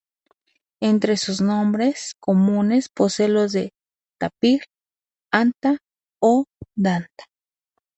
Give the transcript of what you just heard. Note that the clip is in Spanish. Entre sus nombres comunes posee los de: tapir, anta, o danta.